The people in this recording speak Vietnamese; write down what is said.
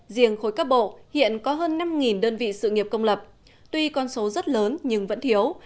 riêng khối các bộ hiện có hơn năm đơn vị sự nghiệp công lập tuy con số rất lớn nhưng vẫn thiếu